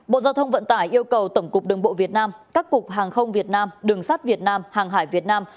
bộ giao thông vận tải yêu cầu tổng cục đường bộ việt nam các cục hàng không việt nam đường sắt việt nam hàng hải việt nam